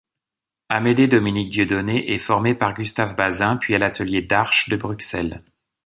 Amédée Dominique Dieudonné est formé par Gustave Bazin, puis à l'atelier Darche de Bruxelles.